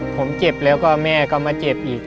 ผมเจ็บแล้วก็แม่ก็มาเจ็บอีก